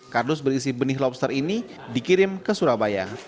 kardus berisi benih lobster ini dikirim ke surabaya